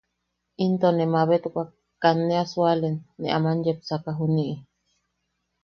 Into ne mabetwak katne a sualen ne aman yepsaka juniʼi.